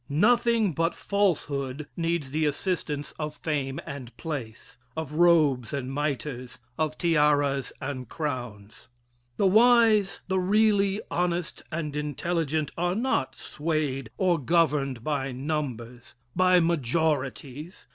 Nothing but falsehood needs the assistance of fame and place, of robes and mitres, of tiaras and crowns. The wise, the really honest and intelligent, are not swayed or governed by numbers by majorities.